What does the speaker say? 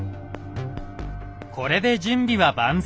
これで準備は万全。